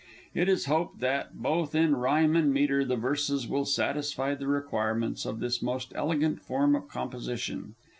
It is hoped that, both in rhyme and metre, the verses will satisfy the requirements of this most elegant form of composition.